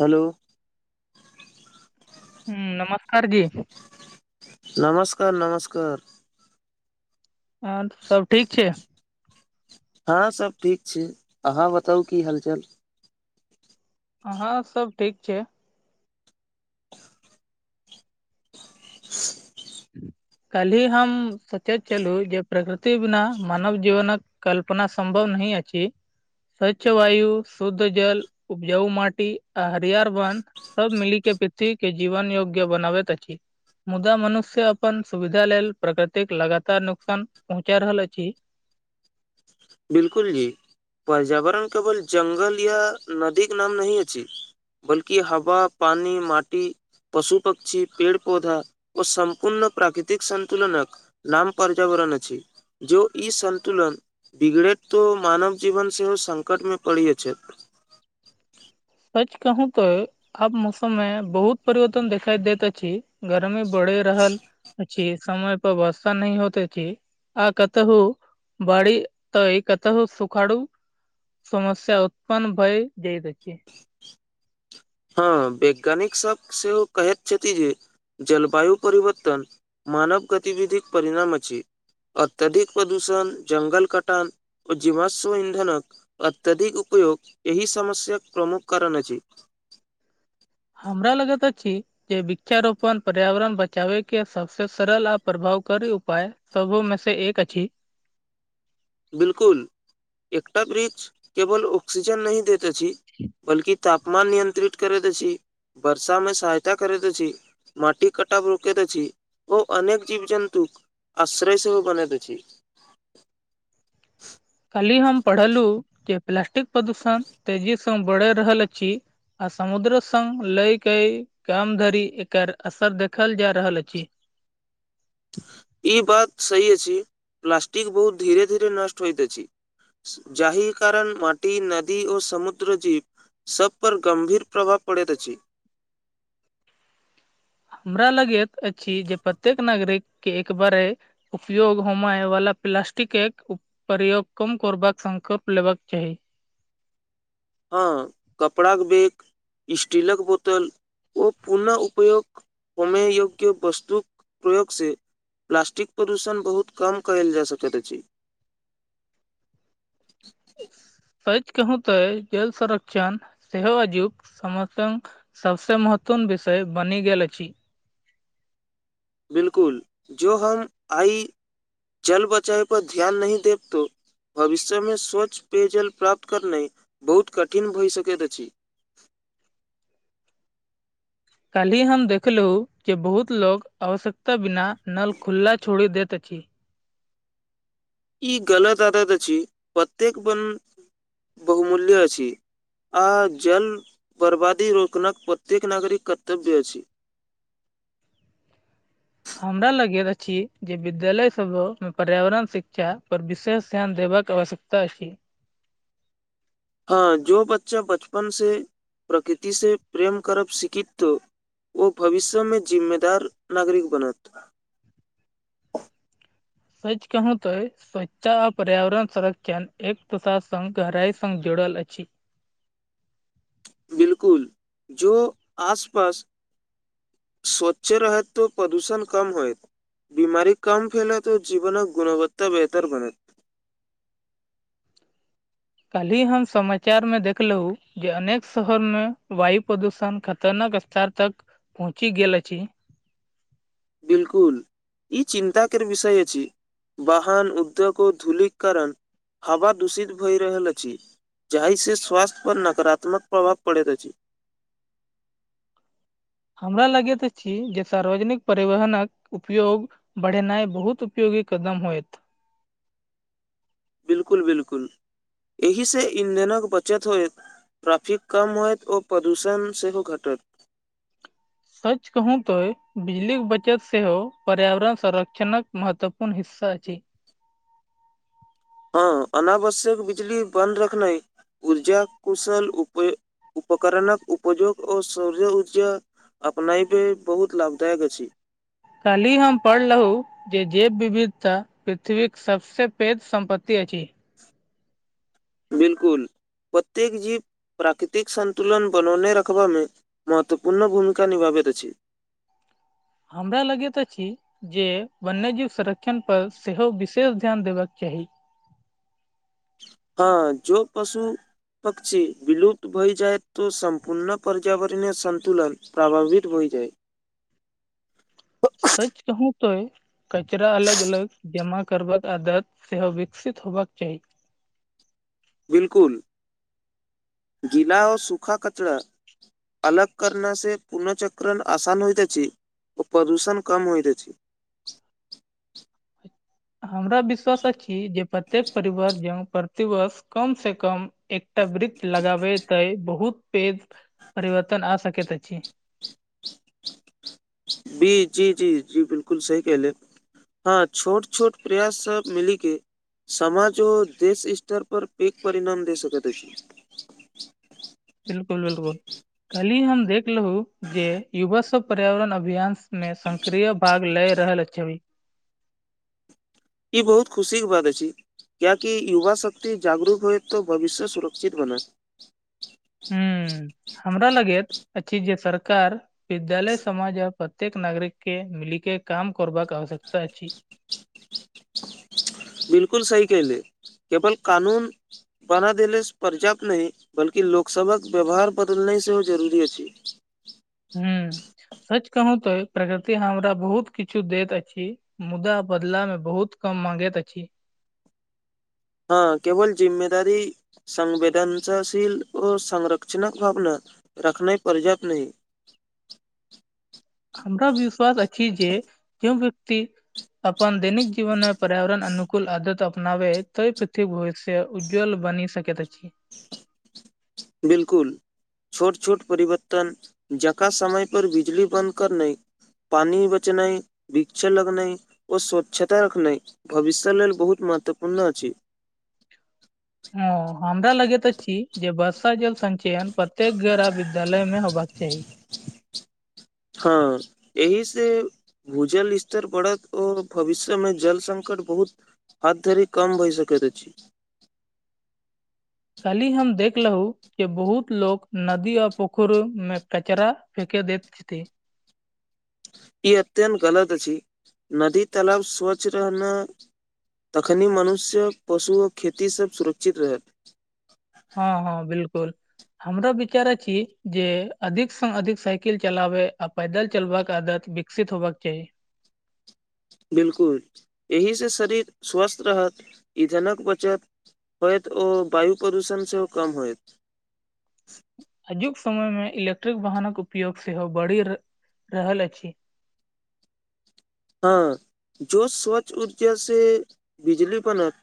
hello हुँ नमस्कार जी नमस्कार नमस्कार हँऽ सब ठीक छै हँ सब ठीक छै अहाँ बताउ की हालचाल हँ हँ सब ठीक छै कल्हि हम सोचैत छलू जे प्रकृति बिना मानव जीवनक कल्पना सम्भव नहि अछी स्वच्छ वायु शुद्ध जल उपजाउ मटी आ हरियर वन सब मिली के पृथ्वी के जीवन योग्य बनाबैत अछि मुदा मनुष्य से अपन सुविधा लेल प्रकृतिक लगातार नुकसान पहुँचा रहल अछि बिल्कुल जी पर्यावरण केवल जङ्ंगल या नदी के नाम नहि अछि बल्कि हवा पानी माटी पशु पक्षी पेड़ पौधा ओ सम्पूर्ण प्राकृतिक सन्तुलनक नाम पर्यावरण अछि जे ई सन्तुलन बिगड़े तऽ मानव जीवन सेहो संकटमे पड़ि जाय छै सच कहू तो अब मौसम मे बहुत परिवर्तन देखिाई देैत अछि गर्मी बढ़े रहल छी समय पर वर्षा न होतेथी आ कतेहुु बड़ी तऽ ई कतहु सुखाड़ु समस्या उत्पन्न भइ जाइत अछि हँ वैज्ञानिक सब सेहो कहैत छथि जे जलवायु परिवर्तन मानव गतिविधिक परिणाम अछि अत्यधिक प्रदूषण जङ्गल कटन ओ जीवाश्व इंन्धन अत्यधिक उयोग एहि समस्याक प्रमुख कारण अछि [inaudible] हमरा लगेतऽ अछि जे वृक्षारोपण पर्यावरण बचाबे के सबसे सरल आ प्रभावकारी उपाय सबो मे से एक अछि बिलकुल एकटा वृक्ष केवल ऑक्सीजन नहि दैत अछी बल्कि तापमान नियंत्रित करैत अछी वर्षा मे सहायता करैत छी माटि कटाब रोकैत छी ओ अनेक जीव जन्तुक आश्रय सेहो बनैत अछि काली हम पढ़लू जे प्लास्टिक प्रदूषण तेजी से बढ़ि रहल अछि आ समुद्र सङ् लयके काम धरि एकर असर देखल जा रहल अछि ई बात सही अछी प्लास्टिक बहुत धीरे धीरे नष्ट होयइत अछी जाहि कारण माटी नदी ओ समुद्र जीप सभ पर गम्भीर प्रभाव पड़ैत अछि हमरा लगैत अछि जे प्रत्येक नागरिक के एक बारे उपयोग होमय वला प्लासस्टिक एक प्रयोग कम करबाक संकल्प लेबाक चाही हाँ कपड़ा के बैग स्टीलक बोतल ओ पुनः उपयोग होमय योग्य वस्तुक प्रयोगसँ प्लास्टिक प्रदूषण बहुत कम कयल जा सकैत अछि सच कहू त जल सरंक्षन सेजोग सथ सबसे महत्वपूर्ण विषय बनी गेल अछि बिलकुल जो हम आइ जल बचाए पर ध्यान नहि देब तो भविष्यमे स्वच्छ पेयजल प्राप्त करनाइ बहुत कठिन भऽ सकैत अछि काल्हि हम देखलहुँ जे बहुत लोक आवश्यकता बिना नल खुल्ला छोड़ि दैत अछि ई गलत आदत अछि प्रत्येक बन बहुमूल्य अछि आ जल बर्बादी रोकनक प्रत्येक नागरिक कर्तव्य अछि हमरा लगैत अछि जे विद्यालय सबहो मे पर्यावरण शिक्षा पर विशेष ध्यान देबक आवश्यकता ता अछि हँ जो बच्चा बचपन से प्रकृति से प्रेम करब सिखित तो ओ भविष्य में जिम्मेदार नागरिक बनत सच कहू तँ स्वच्छता आ पर्यावरण संरक्षण एक प्रसास संघ गहराइ संघ जुड़ल अछी बिलकुल जो आसपास स्वच्छ रहत तो प्रदूषण कम होयत बीमारी कम फैल तो जीवनक गुणवत्ता बेहतर बने कल्हि हम समाचार में देखलहु जे अनेक शहर में वायु प्रदूषण खतरनाक सार्थक पहुँची गेल अछि बिल्कुल ई चिन्ताक विषय अछि वाहन उद्योग धूलिक कारण हवा दूषित भइ रहल अछि जाहि से स्वस्थ्य पर नकारात्मक प्रभाव पड़ैत अछि हमरा लगैत अछि जे सार्वजनिक परिवहनक उपयोग बढ़ेनाइ बहुत उपयोगी कदम होयत बिल्कुल बिल्कुल एहि से इंधनक बचत होयत ट्रैफिक कम होयत ओ प्रदूषण सेहो घटत सच कहू तो बिजलीक बचत सेहो पर्यावरण संरक्षणक महत्वपूर्ण हिस्सा अछि हँ अनावश्यक बिजली बन्द रखनाइ ऊर्जा कुशल उप उपकरणक उपयोग ओ सौर ऊर्जा अपनायब बहुत लाभदायक अछि कल्हि हम पढ़लहु जे जेैव विविधता पृथ्वीक सबसे पैघ सम्पत्ति अछि बिल्कुल प्रत्येक जीव प्राकृतिक संन्तुलन बनौने रखबय मे महत्वपूर्ण भूमिका निभाबैत अछि हमरा लगेत अछी जे वन्यजीव संरक्षण पर सेहो विशेष ध्यान देबाक चाही हँ जो पशु पक्षी विलुप्त भइ जाए तऽ सम्पूर्ण पर्यावरणय सन्तुलन प्रभावित भइ जाए सच कहू तो कचरा अलग अलग जमा करबाक आदत सेहो विकसित होबाक चाही बिलकुल गिला आओर सूखा कचरा अलग करनास पूर्ःचक्रण आसान होइत अछि ओ प्रदूषण कम होइत अछि हमरा विश्वास अछी जे प्रत्येक परिवार जऽ प्रतिवर्ष कम से कम एकटा वृक्ष लगाबे त बहुत पेज परिवर्तन आ सकैत अछि [inaudible] बी जी जी जी बिल्कुल सही कहले हँ छोट छोट प्रयास सब मिली के समाज ओ देश स्तर पर पैघ परिणाम दे सकैत अछि बिल्कुल बिल्कुल काली हम देखलहु जे युवा सब पर्यावरण अभियान मे सक्रिय भाग लय रहल अक्षवी ई बहुत खुशी के बात अछी क्याकि युवा शक्ति जागरूक होए तो भविष्य सुरक्षित बनत हूँ हमरा लगैत अछि जे सरकार विद्यालय समाज प्रत्येक नागरिक के मिलिके काम करबाक आवश्यकता अछि बिल्कुल सही कह ले केवल कानून बना देनेसँ पर्याप्त नहि बल्कि लोकसभक व्यवहार बदलनाई सेहो जरूरी अछि ह सच कहू तो प्रकृति हमरा बहुत किछु दैत अछि मुदा बदला मे बहुत कम माँंगेैत अछी हँ केवल जिम्मेदारी संवेदनताशील ओ संरक्षणक भावना रखने पर्याप्त नहि हमरा विश्वास अछि जे जो व्यक्ति अपन दैनिक जीवन में पर्यावरण अनुकूल आदत अपनावे तो पृथ्वी भविष्य से उज्ज्वल बनी सकैत अछि बिलकुल छोट छोट परिवर्तन जकाँ समय पर बिजली बन्द कर नइ पानी बचनाई वृक्ष लगनाई ओ स्वच्छता रखनाई भविष्य लेल बहुत महत्वपूर्ण अछि ओ हमरा लगेत अछि जे वर्षा जल संचयन प्रत्येक गरह विद्यालय में होबाक चाही हँ एहि से भूजल स्तर बढ़त आर भविष्यमे जल संकट बहुत हथ धरी कम भहि सकैत अछि कल्हि हम देखलौ के बहुत लोक नदी आ पोखर मे कचरा फेके देैते छथि ई अत्यंत गलत अछि नदी तालाब स्वच्छ रहना तखनि मनुष्य पशु आ खेतीसभ सुरक्षित रहत हँ हँ बिलकुल हमरा विचार अछि जे अधिक से अधिक साइकिल चलाबे आ पैदल चलवक आदत विकसित होबाक चाही बिलकुल एहि से शरीर स्वस्थ रहत इंधनक बचत होयत ओ वायु प्रदूषण सेहो कम होयत आजुक समय में इलेक्ट्रिक वाहनक उपयोग सेहो बढ़ि रहल अछि हँ जो स्वच्छ ऊर्जा से बिजली बनत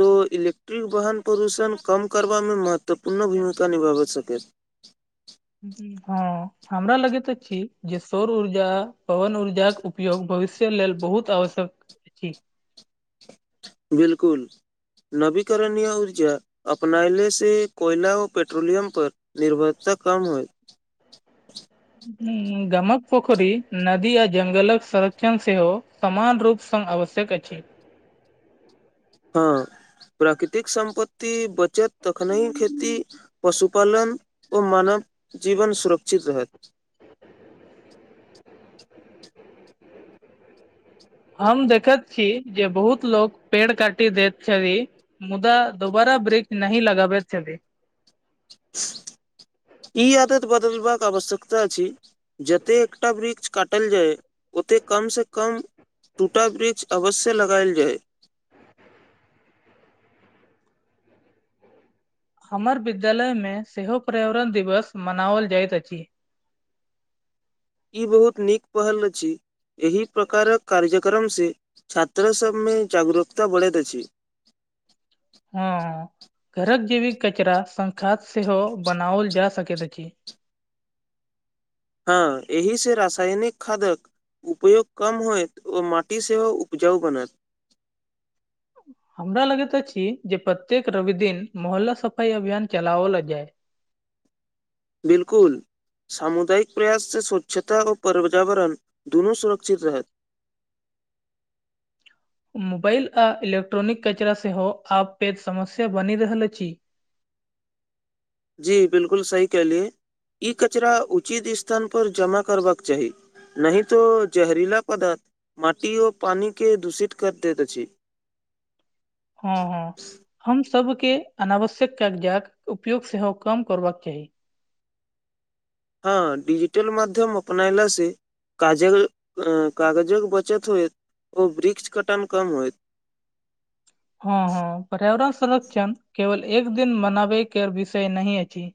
तो इलेक्ट्रिक वाहन प्रदूषण कम करबामे महत्वपूर्ण भूमिका निभाब सकथि [inaudible] हँ हमरा लगैत अछी जे सौर ऊर्जा पवन ऊर्जाक के उपयोग भविष्य के लेल बहुत आवश्यक अछि बिलकुल नवीकरणीय ऊर्जा अपनायले से कोयला व पेट्रोलियम पर निर्भरता कम होइ गमक पोखरी नदी आ जंगलक संरक्षण सेहो समान रूप सँ आवश्यक अछि हँ प्राकृतिक सम्पत्ति बचत तखनेही खेती पशुपालन ओ मानव जीवन सुरक्षित रहत हम देखैत छी जे बहुत लोग पेड़ काटि दैत छै मुदा दोबारा वृक्ष नहि लगाबै छथि ई आदत बदलबाक आवश्यकता अछि जते एकटा वृक्ष काटल जाय ओतेक कम सँ कम टूटा वृक्ष अवश्य लगायल जाय हमर विद्यालयमे सेहो पर्यावरण दिवस मनावल जाइत अछि ई बहुत नीक पहल अछी एहि प्रकारक कार्यक्रम से छात्र सभ मे जागरूकता बढ़ैत अछि हँ घरक जेैविक कचरा संखाद सेहो बनाओल जा सकैत अछि हँ एहि से रसायनिक खादक उपयोग कम होयत ओ माटी सेहो उपजाउ बनत हमरा लगेैत अछि जे प्रत्येक रवि दिन मोहल्ला सफाई अभियान चलावल जाय बिल्कुल सामुदायिक प्रयाससँ स्वच्छता और पर्यावरण दुनू सुरक्षित रहत मोबाइल आ इलेक्ट्रॉनिक कचरा सेहो आब पेत समस्या बनि रहल अछि जी बिलकुल सही कहलिय ई कचरा उचित स्थान पर जमा करबाक चाही नही तो जहरीला पदार्थ माटी ओ पानी के दूषित कर दैत अछि हँ हँ हम सभके अनावश्यक कागजात उपयोग सेहो कम करबाक चाही हँ डिजिटल माध्यम अपनायला सँ काजल अ कागजक बचत होइत ओ वृक्ष कटन कम होइत हँ हँ पर्यावरण संरक्षण केवल एक दिन मनाबे के विषय नहि अछि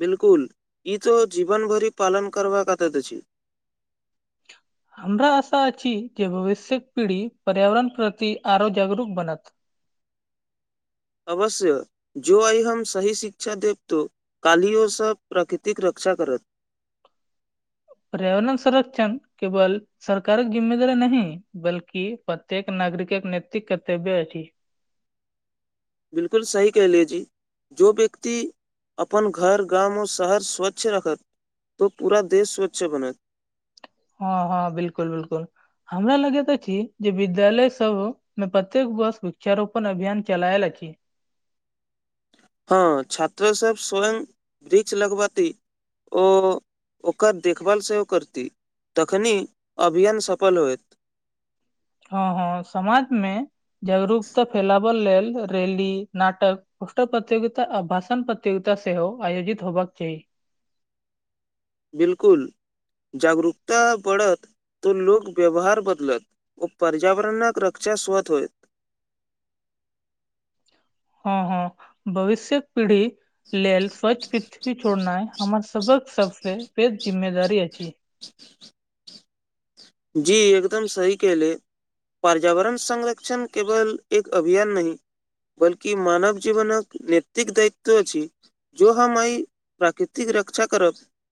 बिलकुल ई तो जीवन भरि पालन करबाक आदत अछि हमरा आशा अछि जे भविष्य्यक पीढ़ी पर्यावरण प्रति आरो जागरूक बनत अवश्य जो आइ हम सही शिक्षा देब तो कालियो सब प्राकृतिक रक्षा करत पर्यावरण संरक्षण केवल सरकारक जिम्ममेदारी नही बल्कि प्रत्येक नागरिक नेतृत्व कर्तव्य अछि बिलकुल सही कहलिये जी जो व्यक्ति अपन घर गाम और शहर स्वच्छ रखत तो पूरा देश स्वच्छ बनत हँ हँ बिलकुल बिलकुल हमरा लगैत अछी जे विद्यालय सब मैं प्रत्येक वर्ष वृक्षारोपण अभियान चलायल अछि हँ छात्र सब स्वयं वृक्ष लगवती ओ ओकर देखभाल सेहो करती तखनी अभियान सफल होयत हँ हँ समाज मे जागरूकता फैलाव लेल रैली नाटक पुस्तक प्रतियोगिता आ भाषण प्रतियोगिता सेहो आयोजित होबाक चाही बिलकुल जागरूकता बढ़त तो लोक व्यवहार बदलत ओ पर्यावरणक रक्षा स्वत होयत हँ हँ भविष्य्यक पीढ़ी लेल स्वच्छ पृथ्वी छोड़नाइ हमर सबक सबसे पैघ जिम्मेदारी अछि जी एकदम सही कहलियै पर्यावरण संरक्षण केवल एक अभियान नही बल्कि मानव जीवन नैतिक दायित्व अछि जो हम आइ प्राकृतिक रक्षा करब